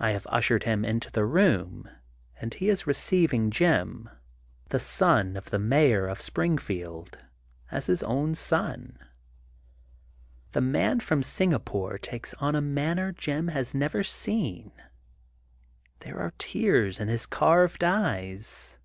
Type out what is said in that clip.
I have ushered him into the room, and he is receiving Jim, the son of the Mayor 250 THE GOLDEN BOOK OF SPRINGFIELD of Springfield, as his own son. The Man from Singapore takes on a manner Jim has never seen. There are tears in his carved eyes.